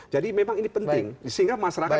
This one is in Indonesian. jadi memang ini penting sehingga masyarakat